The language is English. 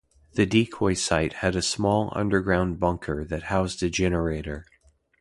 The decoy site had a small underground bunker that housed a generator.